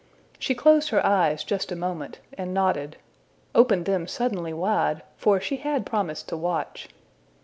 She closed her eyes just a moment, and nodded opened them suddenly wide, for she had promised to watch.